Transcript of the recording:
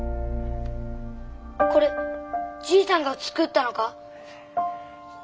これじいさんが作ったのか？